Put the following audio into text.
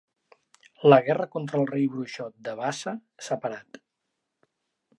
La guerra contra el Rei Bruixot de Vaasa s'ha parat.